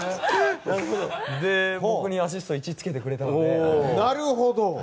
僕にアシスト１つけてくれたので。